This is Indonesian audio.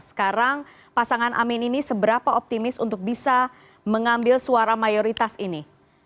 sekarang pasangan amin ini seberapa optimis untuk bisa mengambil suara mayoritas ini